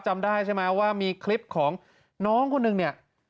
จำได้ใช่ไหมว่ามีคลิปของน้องคนหนึ่งเนี่ย